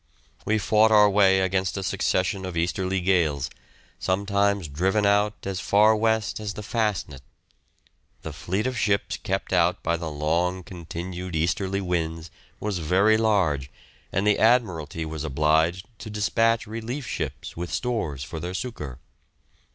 We fought our way against a succession of easterly gales, sometimes driven out as far west as the Fastnet. The fleet of ships kept out by the long continued easterly winds was very large, and the Admiralty was obliged to dispatch relief ships with stores for their succour.